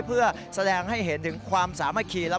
เพื่อแสดงให้เห็นถึงความสามัคคี